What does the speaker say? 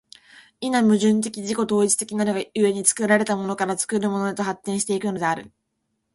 否、矛盾的自己同一的なるが故に、作られたものから作るものへと発展し行くのである。